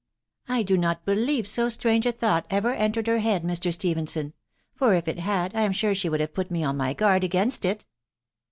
" I do not believe so strange a thought ever entered her •head, Mr. Stephenson ; for if it had, I am sure she would have put me on my guard against it."